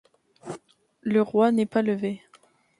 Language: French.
Le Roi n’est pas levé!